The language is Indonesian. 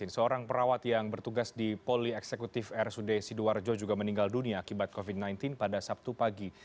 seorang perawat yang bertugas di poli eksekutif rsud sidoarjo juga meninggal dunia akibat covid sembilan belas pada sabtu pagi